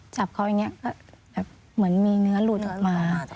จับเขาอย่างนี้ก็แบบเหมือนมีเนื้อหลุดออกมา